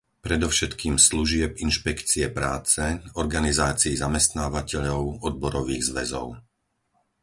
Predovšetkým služieb inšpekcie práce, organizácií zamestnávateľov, odborových zväzov.